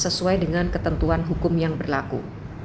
sesuai dengan ketentuan hukum yang berlaku